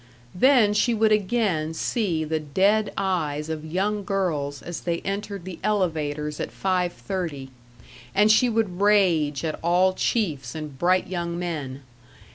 Then she would again see the dead eyes of young girls as they entered the elevators at five thirty, and she would rage at all chiefs and bright young men....